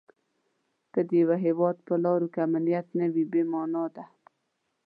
که د یوه هیواد په لارو کې امنیت نه وي بې مانا ده.